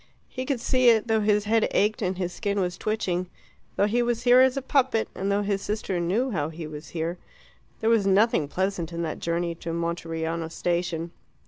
He could see it, though his head ached and his skin was twitching, though he was here as a puppet, and though his sister knew how he was here. There was nothing pleasant in that journey to Monteriano station.